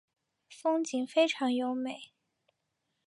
风景非常优美。